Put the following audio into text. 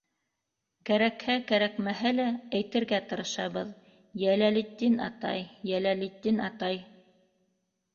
Кәрәкһә-кәрәкмәһә лә әйтергә тырышабыҙ: «Йәләлетдин атай», «Йәләлетдин атай».